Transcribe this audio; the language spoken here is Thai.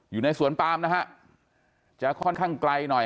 อยู่ในสวนปามนะฮะจะค่อนข้างไกลหน่อย